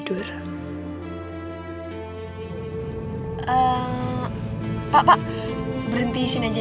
tidak aku mau nyantai